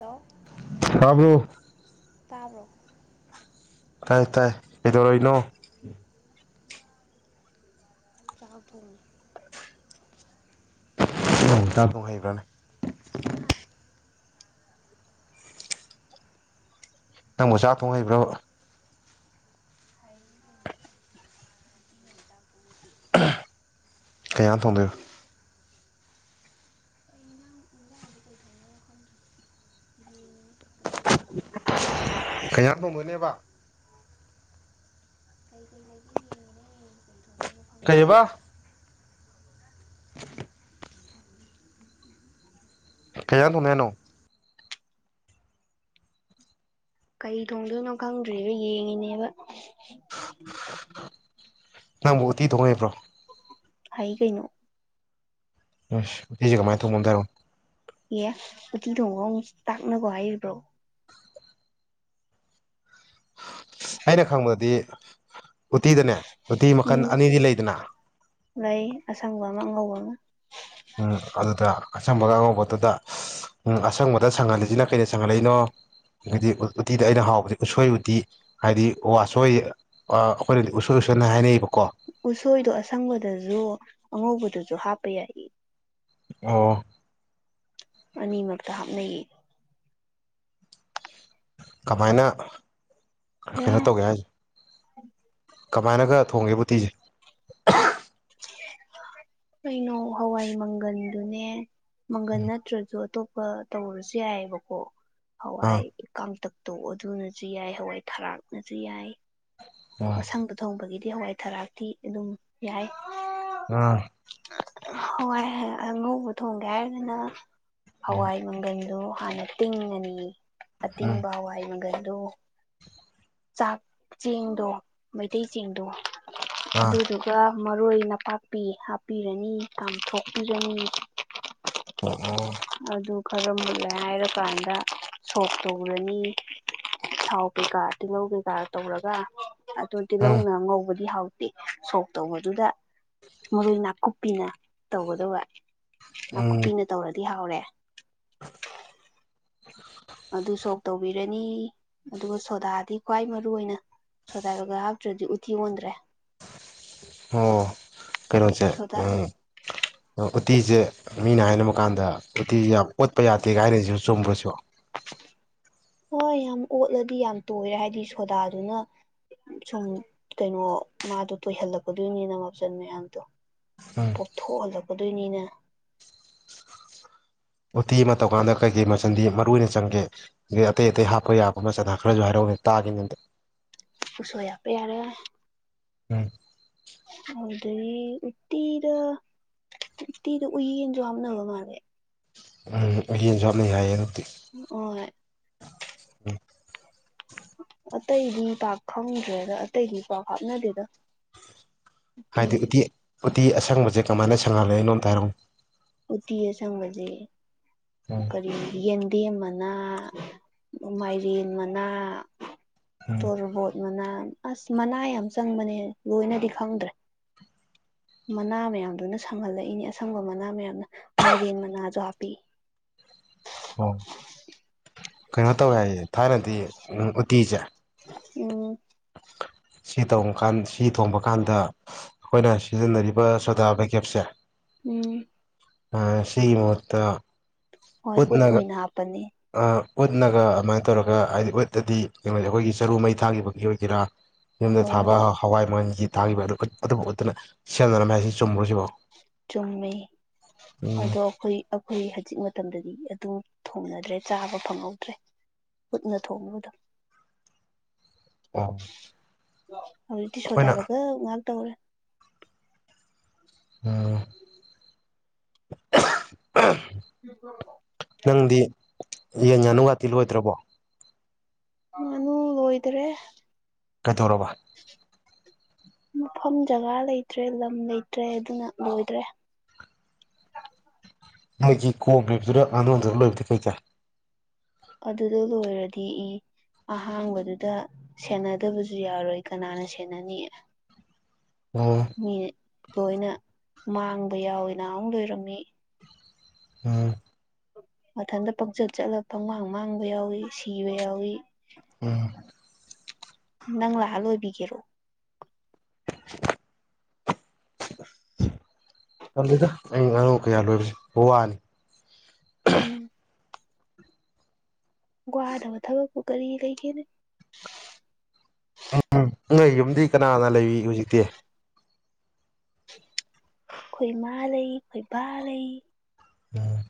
hello ꯇꯥꯕ꯭ꯔꯣ ꯇꯕ꯭ꯔꯣ ꯇꯥꯏ ꯇꯥꯏ ꯀꯩꯗꯧꯔꯤꯅꯣ ꯆꯥꯛ ꯊꯣꯡꯉꯤ ꯅꯪꯕꯣ [inaudible] ꯆꯥꯛꯊꯡ ꯍꯩꯕ꯭ꯔꯣꯅꯦ ꯅꯪꯕꯣ ꯆꯥꯛ ꯊꯣꯡ ꯍꯩꯕ꯭ꯔꯣ ꯕꯥ ꯀꯩ ꯢꯟꯖꯥꯡ ꯊꯣꯡꯗꯣꯢꯕ ꯀꯩ ꯏꯟꯖꯥꯡ ꯀꯩ ꯢꯟꯖꯥꯡ ꯊꯣꯡꯗꯣꯢ ꯅꯦꯕ ꯀꯩ ꯀꯩ ꯂꯩꯒꯦ ꯌꯦꯡꯢꯅꯦ ꯀꯩ ꯑꯕ ꯀꯩ ꯢꯟꯖꯥꯡ ꯊꯣꯡꯅꯤ ꯍꯥꯢꯅꯣ ꯀꯩ ꯊꯣꯡꯗꯣꯏꯅꯣ ꯈꯪꯗ꯭ꯔꯤꯕ ꯌꯦꯡꯉꯤꯅꯦꯕ ꯅꯪꯕꯨ ꯑꯨꯇꯤ ꯊꯣꯡꯕ ꯍꯩꯕ꯭ꯔꯣ ꯍꯩ ꯀꯩꯅꯣ ꯑꯁ ꯑꯨꯇꯤꯁꯦ ꯀꯃꯥꯏꯅ ꯊꯣꯡꯕ ꯑꯝꯇꯥ ꯍꯥꯢꯔꯛꯑꯣ ꯌꯦ ꯑꯨꯇꯤ ꯊꯣꯡꯕ ꯑꯃꯨꯛ ꯇꯥꯛꯅꯒꯣ ꯍꯥꯏꯔꯤꯕ꯭ꯔꯣ ꯑꯩꯅ ꯈꯪꯕꯗꯗꯤ ꯑꯨꯇꯤꯗꯅꯦ ꯑꯨꯇꯤ ꯃꯈꯜ ꯑꯅꯤꯗꯤ ꯂꯩꯗꯅ ꯂꯩꯪ ꯑꯁꯪꯕ ꯑꯃ ꯑꯉꯩꯕ ꯑꯃ ꯎꯝ ꯑꯗꯨꯗ ꯑꯁꯪꯕꯒ ꯑꯉꯧꯕꯒꯗꯨꯗ ꯎꯝ ꯑꯁꯪꯕꯗ ꯁꯪꯍꯜꯂꯤꯁꯤꯅ ꯀꯩꯅ ꯁꯪꯍꯜꯂꯛꯏꯅꯣ ꯗꯩꯗꯤ ꯎꯇꯤꯗ ꯑꯩꯅ ꯍꯥꯎꯕꯗꯤ ꯎꯁꯣꯏ ꯎꯇꯤ ꯍꯥꯏꯗꯤ ꯋꯥꯁꯣꯏ ꯑꯩꯈꯣꯏꯅꯗꯤ ꯎꯁꯣꯏ ꯎꯁꯣꯏꯅ ꯍꯥꯏꯅꯩꯌꯦꯕꯀꯣ ꯎꯁꯣꯏꯗꯣ ꯑꯁꯪꯕꯗꯁꯨ ꯑꯉꯧꯕꯗꯨꯁꯨ ꯍꯥꯞꯄ ꯌꯥꯏꯌꯦ ꯑꯣ ꯑꯅꯤꯃꯛꯇ ꯍꯥꯞꯅꯩꯌꯦ ꯀꯃꯥꯏꯅ ꯑꯌꯥ ꯀꯩꯅꯣ ꯇꯧꯒꯦ ꯍꯥꯢꯁꯦ ꯀꯃꯥꯏꯅꯒ ꯊꯣꯡꯒꯦ ꯎꯇꯤꯁꯦ ꯀꯩꯅꯣ ꯍꯋꯥꯏ ꯃꯪꯒꯟꯗꯨꯅꯦ ꯃꯒꯜ ꯅꯠꯇ꯭ꯔꯖꯨ ꯑꯇꯣꯞ ꯇꯧꯔꯁꯨ ꯌꯥꯏꯑꯕꯀꯣ ꯑꯥ ꯍꯋꯥꯏ ꯀꯥꯡꯇꯛ ꯇꯣ ꯑꯗꯨꯅꯁꯨ ꯌꯥꯏ ꯍꯋꯥꯏ ꯊꯔꯥꯛꯅꯁꯨ ꯌꯥꯏ ꯑꯁꯪꯗ ꯊꯣꯡꯕꯒꯤꯗꯤ ꯗꯤ ꯍꯋꯥꯏ ꯊꯔꯥꯛꯇꯤ ꯑꯗꯨꯝ ꯌꯥꯏ ꯑꯥ ꯍꯣꯏ ꯑꯉꯧꯕ ꯊꯣꯡꯒꯦ ꯍꯥꯏꯔꯒꯅ ꯍꯋꯥꯏ ꯃꯪꯒꯟꯗꯨ ꯍꯥꯟꯅ ꯇꯤꯡꯉꯅꯤ ꯎꯝ ꯑꯇꯤꯡꯕ ꯍꯋꯥꯏ ꯃꯪꯒꯟ ꯑꯗꯣ ꯆꯥꯛ ꯆꯦꯡꯗꯣ ꯃꯩꯇꯩ ꯆꯦꯡꯗꯣ ꯑꯥ ꯑꯗꯨꯗꯨꯒ ꯃꯔꯣꯏ ꯅꯄꯥꯛꯄꯤ ꯍꯥꯞꯄꯤꯔꯅꯤ ꯀꯥꯝꯊꯣꯛꯄꯤꯔꯅꯤ ꯑꯣ ꯑꯣ ꯑꯗꯨ ꯈꯔ ꯃꯨꯟꯂꯦ ꯍꯥꯏꯔꯀꯥꯟꯗ ꯁꯣꯛ ꯇꯧꯔꯅꯤ ꯊꯥꯎ ꯀꯩꯀꯥ ꯇꯤꯜꯍꯧ ꯀꯩꯀꯥ ꯇꯧꯔꯒ ꯑꯗꯨ ꯎꯝ ꯇꯤꯜꯍꯧꯅ ꯉꯧꯕꯗꯤ ꯍꯥꯎ ꯁꯣꯛ ꯇꯧꯕꯗꯨꯗ ꯃꯔꯣꯏ ꯅꯥꯀꯨꯞꯄꯤꯅ ꯇꯧꯒꯗꯕ ꯎꯝ ꯅꯥꯀꯨꯞꯄꯤꯅ ꯇꯧꯔꯗꯤ ꯍꯥꯎꯔꯦ ꯑꯗꯨ ꯁꯣꯛ ꯇꯧꯕꯤꯔꯅꯤ ꯑꯗꯨꯒ ꯁꯣꯗꯥꯗꯤ ꯈ꯭ꯋꯥꯏ ꯃꯔꯨ ꯑꯣꯏꯅ ꯁꯣꯗꯥꯒ ꯍꯥꯞꯇ꯭ꯔꯗꯤ ꯎꯠꯇꯤ ꯑꯣꯟꯗ꯭ꯔꯦ ꯑꯣ ꯀꯩꯅꯣꯁꯦ ꯁꯣꯗꯥ ꯎꯝ ꯎꯇꯤꯁꯦ ꯃꯤꯅ ꯍꯥꯏꯅꯕ ꯀꯥꯟꯗ ꯎꯇꯤꯁꯦ ꯌꯥꯝ ꯑꯣꯠꯄ ꯌꯥꯗꯦ ꯀꯥꯏꯅꯁꯤꯁꯨ [unintelligible] ꯆꯨꯝꯕ꯭ꯔꯁꯨ ꯍꯣꯏ ꯌꯥꯝ ꯑꯣꯠꯂꯗꯤ ꯌꯥꯝ ꯇꯣꯏꯔꯦ ꯍꯥꯏꯕꯗꯤ ꯁꯣꯗꯥꯗꯨꯅ ꯁꯨꯝ ꯀꯩꯅꯣ ꯃꯥꯗꯣ ꯇꯣꯏꯍꯜꯂꯛꯀꯗꯣꯏꯅꯤꯅ ꯃꯥꯆꯟ ꯃꯌꯥꯝꯗꯣ ꯎꯝ ꯄꯣꯞꯊꯣꯛꯍꯜꯂꯒ ꯑꯗꯨꯅꯤꯅ ꯎꯇꯤ ꯑꯃ ꯇꯧꯀꯥꯟꯗ ꯀꯩꯀꯩ ꯃꯆꯜꯗꯤ ꯃꯔꯨ ꯑꯣꯏꯅ ꯆꯪꯒꯦ ꯑꯗꯒꯤ ꯑꯇꯩ ꯑꯇꯩ ꯍꯥꯞꯄ ꯌꯥꯕ ꯃꯆꯜ ꯈꯔꯁꯨ ꯍꯥꯏꯔꯛꯎꯅꯦ ꯇꯥꯒꯦ ꯑꯝꯇ ꯎꯁꯣꯏ ꯍꯥꯞꯄ ꯌꯥꯔꯦ ꯎꯝ ꯑꯗꯨꯗꯒꯤ ꯎꯠꯇꯤꯗ ꯎꯠꯇꯤꯗ ꯎꯌꯦꯟꯁꯨ ꯍꯥꯞꯅꯕ ꯃꯥꯜꯂꯦ ꯎꯝ ꯎꯌꯦꯟꯁꯨ ꯍꯥꯞꯅꯩ ꯍꯥꯏꯌꯦꯅꯦ ꯑꯣꯏ [inaudible] ꯑꯇꯩꯗꯤ ꯄꯥꯛ ꯈꯪꯗ꯭ꯔꯦꯗ ꯑꯇꯩꯗꯤ ꯄꯥꯛ ꯍꯥꯞꯅꯗꯦꯗ ꯍꯥꯏꯗꯤ ꯎꯇꯤ ꯇꯤ ꯑꯁꯪꯕꯖꯦ ꯀꯃꯥꯏꯅ ꯁꯪꯍꯜꯂꯦ ꯍꯥꯏꯅꯣ ꯑꯝꯇ ꯍꯥꯏꯔꯛꯎ ꯎꯇꯤ ꯑꯁꯪꯕꯖꯦ ꯎꯝ ꯀꯔꯤ ꯌꯦꯟ ꯗꯦꯝ ꯃꯅꯥ ꯃꯥꯏꯔꯦꯟ ꯃꯅꯥ ꯎꯝ ꯇꯣꯔꯕꯣꯠ ꯃꯅꯥ ꯑꯁ ꯃꯅꯥ ꯌꯥꯝ ꯆꯪꯕꯅꯦꯍꯦ ꯂꯣꯏꯅꯗꯤ ꯈꯪꯗ꯭ꯔꯦ ꯃꯅꯥ ꯃꯌꯥꯝꯗꯨꯅ ꯁꯪꯍꯜꯂꯛꯏꯅꯦ ꯑꯁꯪꯕ ꯃꯅꯥ ꯃꯌꯥꯝꯅ ꯃꯥꯏꯔꯦꯟ ꯃꯅꯥꯖꯨ ꯍꯥꯞꯄꯤ ꯑꯣ ꯀꯩꯅꯣ ꯇꯧꯋꯦ ꯍꯥꯏꯌꯦ ꯊꯥꯏꯅꯗꯤ ꯎ ꯎꯇꯤꯖꯦ ꯎꯝ ꯁꯤ ꯇꯣꯡꯀꯥꯟ ꯁꯤ ꯊꯣꯡꯕ ꯀꯥꯟꯗ ꯑꯩꯈꯣꯏꯅ ꯁꯤꯖꯤꯟꯅꯔꯤꯕ ꯁꯣꯗꯥ ꯕꯥꯏꯒꯞꯁꯦ ꯎꯝ ꯑ ꯁꯤꯃꯍꯨꯠꯇ ꯍꯣꯏ ꯎꯠ ꯑꯣꯏꯅ ꯍꯥꯞꯄꯅꯤ ꯑ ꯎꯠꯅꯒ ꯑꯃꯥꯏ ꯇꯧꯔꯒ ꯍꯥꯏꯗꯤ ꯎꯠꯑꯗꯤ ꯀꯩꯅꯣꯖꯦ ꯑꯩꯈꯣꯏꯒꯤ ꯆꯔꯨ ꯃꯩ ꯊꯥꯒꯤꯒꯤꯕꯒꯤ ꯑꯣꯏꯒꯦꯔꯥ ꯌꯨꯝꯗ ꯍꯣꯏ ꯊꯥꯕ ꯍꯣꯏ ꯍꯋꯥꯏ ꯃꯟꯒꯤ ꯊꯥꯒꯤꯕ ꯑꯗꯨ ꯑꯗꯨꯕ ꯎꯠꯇꯨꯅ ꯁꯦꯝꯅꯔꯝꯃꯦ ꯍꯥꯏꯁꯦ ꯆꯨꯝ ꯆꯨꯝꯃꯤ ꯎꯝ ꯑꯗꯣ ꯑꯈꯣꯏ ꯑꯈꯣꯏ ꯍꯖꯤꯛ ꯃꯇꯝꯗꯗꯤ ꯑꯗꯨ ꯊꯣꯡꯅꯗ꯭ꯔꯦ ꯆꯥꯕ ꯐꯪꯍꯧꯗ꯭ꯔꯦ ꯎꯠꯅ ꯊꯣꯡꯅꯕꯗꯣ ꯑ ꯏꯇꯥꯎ ꯍꯧꯖꯤꯛꯇꯤ ꯁꯣꯗꯥ ꯕꯥꯏꯒꯞ ꯉꯥꯛ ꯇꯧꯔꯦ ꯑꯝ [unintelligible] ꯌꯦꯟ ꯉꯥꯅꯨ ꯉꯥꯇꯤ ꯂꯣꯏꯗ꯭ꯔꯕꯣ ꯉꯥꯅꯨ ꯂꯣꯏꯗꯔꯦ ꯀꯗꯧꯔꯕ ꯃꯐꯝ ꯖꯒꯥ ꯂꯩꯇ꯭ꯔꯦ ꯂꯝ ꯂꯩꯇ꯭ꯔꯦ ꯑꯗꯨꯅ ꯂꯣꯏꯗ꯭ꯔꯦ ꯅꯣꯏꯒꯤ ꯀꯣ ꯕꯤꯕꯗꯨꯅ ꯉꯥꯅꯨꯗ ꯂꯣꯏꯕꯗꯤ ꯀꯩ ꯀꯥꯏ ꯑꯗꯨꯗ ꯂꯣꯏꯔꯗꯤ ꯏ ꯑꯍꯥꯡꯕꯗꯨꯗ ꯁꯦꯟꯅꯗꯕꯖꯨ ꯌꯥꯔꯣꯏ ꯀꯅꯥꯅ ꯁꯦꯟꯅꯅꯤ ꯑꯣ ꯃꯤ ꯂꯣꯏꯅ ꯃꯥꯡꯕ ꯌꯥꯎꯌꯦ ꯅꯍꯥꯟꯃꯨꯛ ꯂꯣꯏꯔꯝꯃꯤ ꯑꯥ ꯃꯊꯟꯇ ꯄꯪꯆꯠ ꯆꯠꯂ ꯄꯪꯃꯥꯡ ꯃꯥꯡꯕ ꯌꯥꯎꯏ ꯁꯤꯕ ꯌꯥꯎꯏ ꯎꯝ ꯅꯪ ꯂꯥꯛꯑ ꯂꯣꯏꯕꯤꯒꯦꯔꯣ ꯇꯜꯂꯤꯗ ꯑꯩ ꯉꯥꯅꯨ ꯀꯌꯥ ꯂꯣꯏꯕꯖꯦ ꯋꯥꯅꯤ ꯎꯝ ꯋꯥꯗꯕ ꯊꯕꯛꯄꯨ ꯀꯔꯤ ꯂꯩꯒꯦꯗ ꯎꯝ ꯅꯣꯏ ꯌꯨꯝꯗꯤ ꯀꯅꯥ ꯀꯅꯥ ꯂꯩꯔꯤ ꯍꯧꯖꯤꯛꯇꯤ ꯑꯩꯈꯣꯏ ꯃꯥ ꯂꯩ ꯑꯩꯈꯣꯏ ꯕꯥ ꯂꯩ ꯎꯝ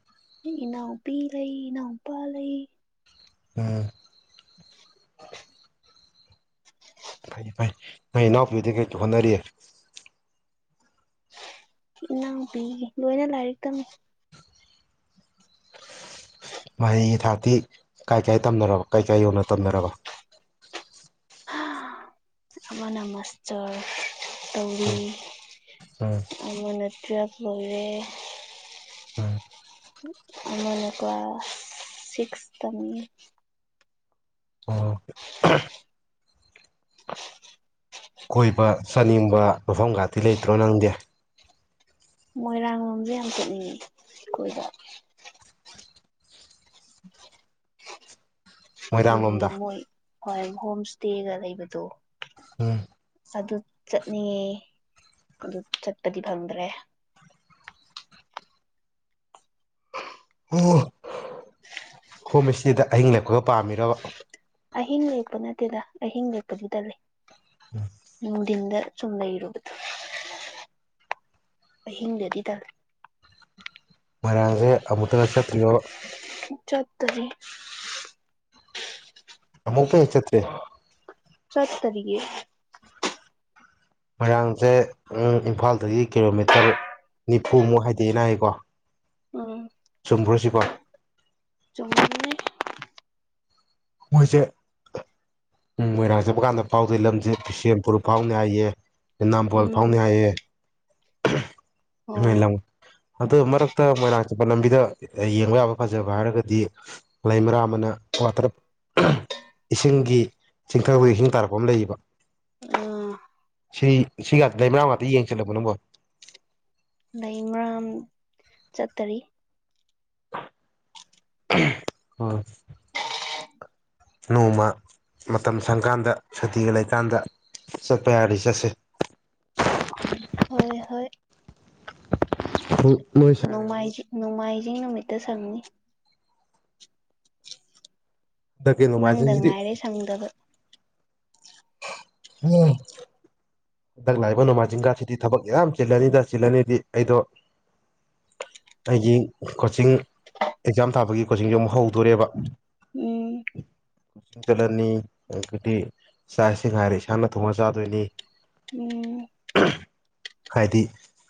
ꯏꯅꯥꯎꯄꯤ ꯂꯩ ꯏꯅꯥꯎꯄꯥ ꯂꯩ ꯑꯝ ꯐꯩ ꯐꯩ ꯅꯣꯢ ꯢꯅꯥꯎꯄꯤ ꯍꯣꯢꯗꯤ ꯀꯩ ꯀꯩ ꯍꯣꯠꯅꯔꯤ ꯏꯅꯥꯎꯄꯤꯒꯤ ꯂꯣꯏꯅ ꯂꯥꯏꯔꯤꯛ ꯇꯝꯃꯤ ꯃꯍꯩꯒꯤ ꯊꯥꯛꯇꯤ ꯀꯥꯏ ꯀꯥꯏ ꯇꯝꯅꯔꯕ ꯀꯥꯏ ꯀꯥꯏ ꯌꯧꯅ ꯇꯝꯅꯔꯕ ꯑꯃꯅ ꯃꯥꯁꯇꯔ ꯇꯧꯔꯤ ꯎꯝ ꯎꯝ ꯑꯃꯅ ꯇ꯭ꯋꯦꯜꯐ ꯂꯣꯢꯔꯦ ꯎꯝ ꯑꯃꯅ ꯀ꯭ꯂꯥꯁ ꯁꯤꯛꯁ ꯇꯝꯃꯤ ꯑꯣ ꯀꯣꯏꯕ ꯆꯥꯅꯤꯡꯕ ꯃꯐꯝꯒꯥꯇꯤ ꯂꯩꯇ꯭ꯔꯣ ꯅꯪꯗꯤ ꯃꯣꯏꯔꯥꯡ ꯂꯣꯝꯁꯦ ꯌꯥꯝ ꯆꯠꯅꯤꯡꯉꯦ ꯑꯩꯈꯣꯏꯗ [inaudible] ꯗꯤ ꯃꯣꯏꯔꯥꯡ ꯂꯣꯝꯗ ꯃꯣꯏ ꯍꯣꯏ ꯍꯣꯝ ꯁꯇꯦꯒ ꯂꯩꯕꯗꯣ ꯎꯝ ꯑꯗꯨ ꯆꯠꯅꯤꯡꯉꯦ ꯑꯗꯨ ꯆꯠꯄꯗꯤ ꯐꯪꯗ꯭ꯔꯦ ꯑꯣ ꯍꯣꯝꯁꯇꯦꯗ ꯑꯍꯤꯡ ꯂꯦꯛꯄꯒ ꯄꯥꯝꯃꯤꯔꯣ ꯑꯍꯤꯡ ꯂꯦꯛꯄ ꯅꯠꯇꯦꯗ ꯑꯍꯤꯡ ꯂꯦꯛꯄꯗꯤ ꯇꯜꯂꯦ ꯅꯨꯡꯗꯤꯟꯗ ꯁꯨꯝ ꯂꯩꯔꯨꯕꯗꯣ ꯑꯍꯤꯡꯗꯗꯤꯗ ꯃꯣꯢꯔꯥꯡꯁꯦ ꯑꯃꯨꯛꯇꯒ ꯆꯠꯇ꯭ꯔꯤꯕꯣ ꯆꯠꯇꯥꯔꯤ ꯑꯃꯨꯛ ꯐꯥꯎ ꯆꯠꯇ꯭ꯔꯤ ꯆꯠ ꯇꯥꯔꯤꯌꯦ ꯃꯣꯏꯔꯥꯡꯁꯦ ꯏꯝꯐꯥꯜꯗꯒꯤ ꯀꯤꯂꯣꯃꯤꯇꯔ ꯅꯤꯐꯨꯃꯨꯛ ꯍꯥꯏꯗꯩꯢꯅ ꯍꯥꯏꯌꯦꯀꯣ ꯑꯝ ꯆꯨꯝꯕ꯭ꯔꯣꯁꯤꯕꯣ ꯆꯨꯝꯃꯦ ꯃꯣꯏꯁꯦ ꯎꯝ ꯃꯣꯏꯔꯥꯡ ꯆꯠꯄ ꯀꯥꯟꯗ ꯐꯥꯎꯗꯣꯏ ꯂꯝꯁꯦ ꯕꯤꯁꯦꯝꯄꯨꯔ ꯐꯥꯎꯅꯤ ꯍꯥꯏꯌꯦ ꯅꯝꯕꯣꯜ ꯎꯝ ꯐꯥꯎꯅꯤ ꯍꯥꯏꯑꯦ ꯅꯣꯢ ꯍꯣꯏ ꯂꯝ ꯑꯗꯨ ꯃꯔꯛꯇ ꯃꯣꯏꯔꯥꯡ ꯆꯠꯄ ꯂꯝꯕꯤꯗ ꯌꯦꯡꯕ ꯌꯥꯕ ꯐꯖꯕ ꯍꯥꯏꯔꯒꯗꯤ ꯂꯩꯃꯔꯥꯝꯑꯅ ꯋꯥꯇ꯭ꯔ ꯑ ꯏꯁꯤꯡꯒꯤ ꯆꯤꯡꯊꯪ ꯈꯣꯢ ꯏꯁꯤꯡ ꯇꯥꯔꯛꯄ ꯑꯃ ꯂꯩꯌꯦꯕ ꯑꯥ ꯁꯤ ꯁꯤꯒ ꯂꯩꯃꯔꯥ ꯉꯥꯛꯇ ꯌꯦꯡ ꯆꯠꯂꯕꯣ ꯅꯪꯕꯣ ꯆꯠꯇꯥꯔꯤ ꯎꯝ ꯑꯣ ꯅꯣꯡꯃ ꯃꯇꯝ ꯁꯪꯀꯥꯟꯗ ꯁꯨꯇꯤꯒ ꯂꯩꯀꯥꯟꯗ ꯆꯠꯄ ꯌꯥꯔꯗꯤ ꯆꯠꯁꯦ ꯍꯣꯏ ꯍꯣꯏ [unintelligible] ꯑꯃꯨꯛ ꯅꯣꯡꯃꯥꯏꯖꯤꯡ ꯅꯣꯡꯃꯥꯏꯖꯤꯡ ꯅꯨꯃꯤꯠ ꯗ ꯁꯪꯅꯤ ꯍꯟꯗꯛꯀꯤ ꯅꯪꯗ ꯅꯣꯡꯃꯥꯏꯖꯤꯡꯁꯤꯗꯤ ꯉꯥꯏꯔꯦ ꯁꯪꯗꯕ [unintelligible] ꯍꯟꯗꯛ ꯂꯥꯛꯏꯕ ꯅꯣꯡꯃꯥꯏꯖꯤꯡꯒꯁꯤꯗꯤ ꯊꯕꯛ ꯌꯥꯝ ꯆꯤꯜꯂꯅꯤꯗ ꯆꯤꯜꯂꯅꯤꯗꯤ ꯑꯩꯗꯣ ꯑꯩꯒꯤ ꯀꯣꯆꯤꯡ ꯑꯦꯛꯖꯥꯝ ꯊꯥꯕꯒꯤ ꯀꯣꯆꯤꯡꯁꯨ ꯑꯃꯨꯛ ꯍꯧꯗꯣꯔꯦꯕ ꯎꯝ ꯀꯣꯆꯤꯡ ꯆꯠꯂꯅꯤ ꯑꯗꯨꯗꯤ ꯆꯥꯛ ꯏꯁꯤꯡ ꯍꯥꯏꯔꯦ ꯏꯁꯥꯅ ꯊꯣꯡꯉꯥ ꯆꯥꯗꯣꯏꯅꯤ ꯎꯝ ꯎꯍꯝ ꯍꯥꯏꯗꯤ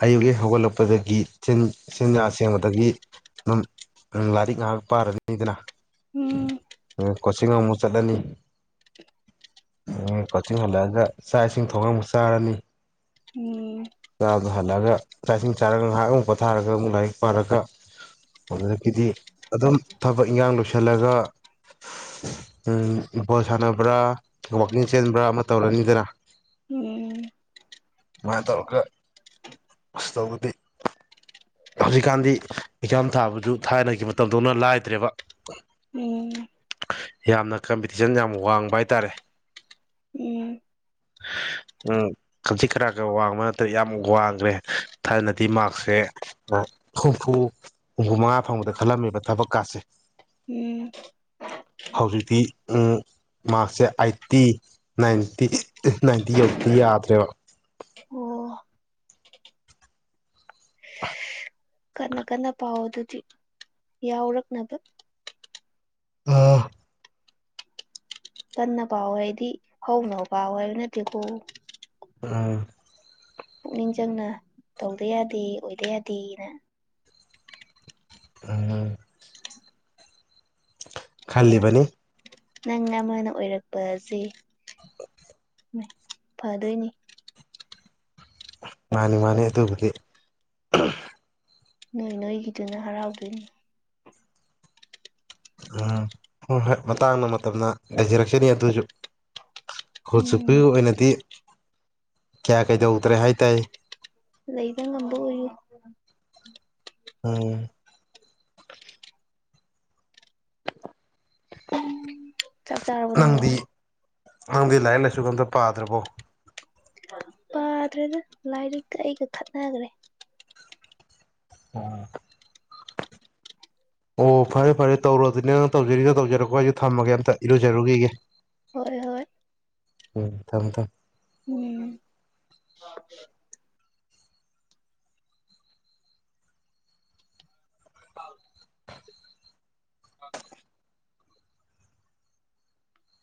ꯑꯌꯨꯛ ꯍꯦꯛ ꯍꯧꯒꯠꯂꯛꯄꯗꯒꯤ ꯆꯤꯟ ꯆꯤꯟꯌꯥ ꯁꯦꯡꯕꯗꯒꯤ ꯑꯗꯨꯝ ꯂꯥꯏꯔꯤꯛ ꯉꯥꯏꯍꯥꯛ ꯄꯥꯔꯅꯤꯗꯅ ꯎꯝ ꯀꯣꯆꯤꯡ ꯑꯃꯨꯛ ꯆꯠꯂꯅꯤ ꯀꯣꯆꯤꯡ ꯍꯜꯂꯛꯑꯒ ꯆꯥꯛ ꯏꯁꯤꯡ ꯊꯣꯡꯉꯥ ꯑꯃꯨꯛ ꯆꯥ ꯆꯥꯔꯅꯤ ꯎꯝ ꯆꯥꯕ ꯍꯜꯂꯛꯑꯒ ꯆꯥꯛ ꯏꯁꯤꯡ ꯆꯥꯔꯒ ꯉꯥꯏꯍꯥꯛ ꯑꯃꯨꯛ ꯄꯣꯊꯥꯔꯒ ꯑꯃꯨꯛ ꯂꯥꯏꯔꯤꯛ ꯄꯥꯔꯒ ꯑꯗꯨꯗꯒꯤꯗꯤ ꯑꯗꯨꯝ ꯊꯕꯛ ꯏꯟꯈꯥꯡ ꯂꯣꯏꯁꯜꯂꯒ ꯎꯝ ꯐꯨꯠ ꯕꯣꯜ ꯁꯥꯟꯅꯕ꯭ꯔꯥ ꯋꯥꯛꯀꯤꯡ ꯆꯦꯟꯕ꯭ꯔꯥ ꯑꯃ ꯇꯧꯔꯅꯤꯗꯅ ꯎꯝ ꯁꯨꯃꯥꯏꯅ ꯇꯧꯔꯒ ꯑꯁ ꯇꯧꯕꯗꯤ ꯍꯧꯖꯤꯛꯀꯥꯟꯗꯤ ꯑꯦꯛꯖꯥꯝ ꯊꯥꯕꯁꯨ ꯊꯥꯏꯅꯒꯤ ꯃꯇꯝꯗꯧꯅ ꯂꯥꯏꯗ꯭ꯔꯦꯕ ꯎꯝ ꯌꯥꯝꯅ ꯀꯝꯄꯤꯇꯤꯁꯟ ꯌꯥꯝ ꯋꯥꯡꯕ ꯍꯥꯏꯇꯥꯔꯦ ꯎꯝ ꯎꯝ ꯈꯖꯤꯛ ꯈꯔꯥꯛꯀꯥ ꯋꯥꯡꯕ ꯅꯠꯇ꯭ꯔꯦ ꯌꯥꯝ ꯋꯥꯡꯈ꯭ꯔꯦ ꯊꯥꯢꯅꯗꯤ ꯃ꯭ꯥꯔꯛꯁꯁꯦ ꯍꯨꯝꯐꯨ ꯍꯨꯝꯐꯨ ꯃꯉꯥ ꯐꯪꯕꯗ ꯈꯜꯂꯝꯃꯦꯕ ꯊꯕꯛꯀꯥꯁꯦ ꯎꯝ ꯍꯧꯖꯤꯛꯇꯤ ꯎꯝ ꯃꯥꯔꯛꯁꯁꯦ ꯑꯥꯏꯠꯇꯤ ꯅꯥꯏꯟꯇꯤ ꯅꯥꯏꯟꯇꯤ ꯌꯧ ꯊꯤ ꯌꯥꯗ꯭ꯔꯦꯕ ꯑꯣ [unintelligible] ꯀꯟꯅ ꯀꯟꯅ ꯄꯥꯎ ꯑꯗꯨꯗꯤ ꯌꯥꯎꯔꯛꯅꯕ ꯎꯝ ꯀꯟꯅ ꯄꯥꯎꯋꯣ ꯍꯥꯏꯗꯤ ꯍꯧꯅ ꯄꯥꯎꯋꯦ ꯍꯥꯏꯕ ꯅꯠꯇꯦꯀꯦ ꯑꯥ ꯄꯨꯛꯅꯤꯡ ꯆꯪꯅ ꯇꯧꯗ ꯌꯥꯗꯦ ꯑꯣꯏꯗ ꯌꯥꯗꯦꯅ ꯑꯥ ꯈꯜꯂꯤꯕꯅꯤ ꯅꯪ ꯑꯃꯅ ꯑꯣꯏꯔꯛꯄꯖꯦ [unintelligible] ꯃꯥꯢ ꯐꯗꯣꯏꯅꯤ ꯃꯥꯅꯤ ꯃꯥꯅꯤ ꯑꯗꯨꯕꯨꯗꯤ ꯎꯝ ꯅꯣꯏ ꯅꯣꯏꯒꯤꯗꯨꯅ ꯍꯔꯥꯎꯗꯣꯏꯅꯤ ꯎꯝ ꯍꯣꯏ ꯍꯣꯏ ꯃꯇꯥꯡꯅ ꯃꯇꯝꯅ ꯂꯩꯖꯥꯔꯛꯁꯅꯤ ꯑꯗꯨꯁꯨ ꯈꯣꯏ ꯎꯝ ꯆꯨꯞꯄꯤ ꯑꯣꯏꯅꯗꯤ ꯀꯌꯥ ꯀꯩꯗꯧꯗ꯭ꯔꯦ ꯍꯥꯏ ꯇꯥꯢꯌꯦ ꯂꯩꯕ ꯉꯝꯕ ꯑꯣꯏꯌꯨ ꯎꯝ ꯆꯥꯛ ꯆꯥꯔꯕꯣ ꯅꯪꯕꯣ ꯅꯪꯗꯤ ꯅꯪꯗꯤ ꯂꯥꯏꯔꯤꯛ ꯂꯥꯏꯁꯨꯒ ꯑꯝꯇ ꯄꯥꯗ꯭ꯔꯥꯕꯣ ꯄꯥꯗ꯭ꯔꯦꯗ ꯂꯥꯏꯔꯤꯛꯀ ꯑꯩꯒ ꯈꯠꯅꯈ꯭ꯔꯦ ꯑꯣ ꯑꯣ ꯐꯔꯦ ꯐꯔꯦ ꯇꯧꯔꯣ ꯑꯗꯨꯗꯤꯅ ꯅꯪ ꯇꯧꯖꯔꯤꯗꯣ ꯇꯧꯖꯔꯣꯀꯣ ꯑꯩꯁꯨ ꯊꯝꯃꯒꯦ ꯑꯝꯇ ꯏꯔꯨꯖꯔꯨꯈꯤꯒꯦ ꯍꯣꯏ ꯍꯣꯏ ꯎꯝ ꯊꯝꯃꯦ ꯊꯝꯃꯦ ꯎꯝ